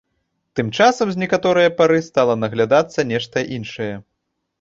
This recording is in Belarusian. Тым часам, з некаторае пары, стала наглядацца нешта іншае.